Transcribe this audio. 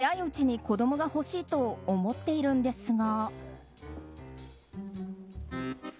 私は早いうちに子供が欲しいと思っているんですが。